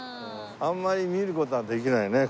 あんまり見る事はできないね。